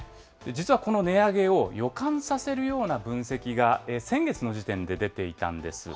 実はこの値上げを予感させるような分析が、先月の時点で出ていたんです。